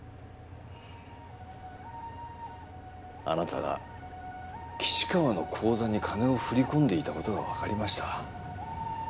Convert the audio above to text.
あなたが岸川の口座に金を振り込んでいたことが分かりました